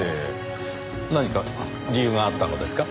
何か理由があったのですか？